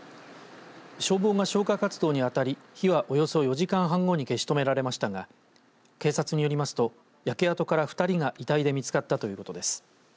消防が消火活動に当たり火はおよそ４時間半後に消し止められましたが警察によりますと焼け跡から２人が遺体で見つかったということです。